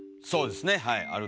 そうですねはい。